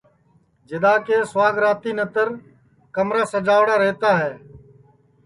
جِدا کہ سُواگراتی نتر کمرا سجاوڑا ریوتا ہے